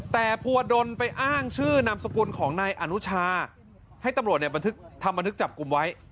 แต่ภูวดลไปอ้างชื่อนามสกุลของนายอนุชาให้ตำรวจทำบันทึกจับกลุ่มไว้